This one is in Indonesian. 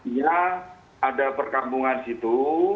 iya ada perkambungan di situ